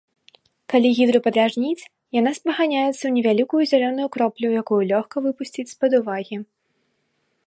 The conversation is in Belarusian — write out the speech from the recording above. Калі гідру падражніць, яна спаганяецца ў невялікую зялёную кроплю, якую лёгка выпусціць з-пад увагі.